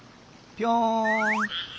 ぴょん！